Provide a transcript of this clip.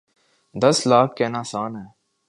دس لاکھ کہنا آسان ہے۔